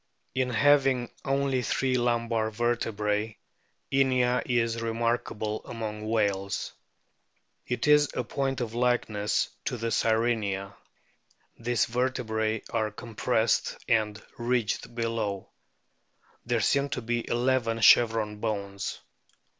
In having only three lumbar vertebrae Inia is remarkable among whales. It is a point of likeness to the Sirenia. These vertebrae are compressed and ridged below. There seem to be eleven chevron bones.